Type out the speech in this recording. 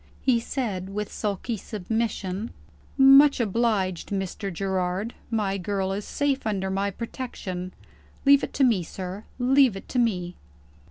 He said with sulky submission: "Much obliged, Mr. Gerard. My girl is safe under my protection. Leave it to me, sir leave it to me."